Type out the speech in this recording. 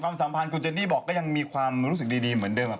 ความสัมพันธ์ของเจนนี่บอกก็ยังมีความรู้สึกดีเหมือนเดิมครับ